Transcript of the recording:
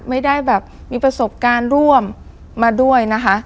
ไม่ได้มีประสบการณ์ร่วมมาด้วย